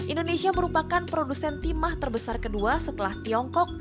indonesia merupakan produsen timah terbesar kedua setelah tiongkok